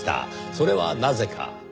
それはなぜか。